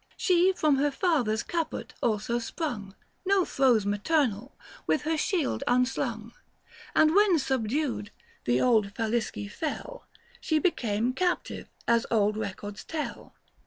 99 She from her Father's Caput also sprung (No throes maternal) with her shield unslung. 900 And when subdued, the old Falisci fell, She became captive, as old records tell.